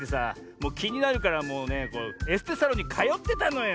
もうきになるからもうねエステサロンにかよってたのよ。